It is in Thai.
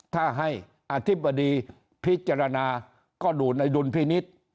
ถ้าให้อธิบดีพิจารณาก็ดูในดุลพินิษฐ์